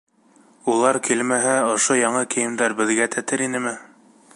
Улар килмәһә, ошо яңы кейемдәр беҙгә тәтер инеме?